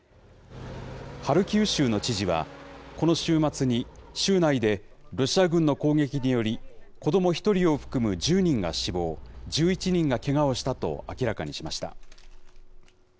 ハルキウ州の知事は、この週末に州内でロシア軍の攻撃により、子ども１人を含む１０人が死亡、１１人がけがをしたと明らかにしました。